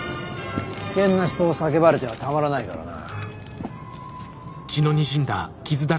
危険な思想を叫ばれてはたまらないからな。